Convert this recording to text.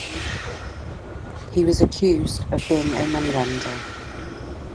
He was accused of being a money-lender.